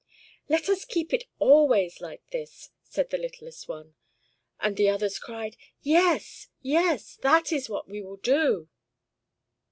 "Let us keep it always like this!" said the littlest one; and the others cried, "Yes! yes! that is what we will do."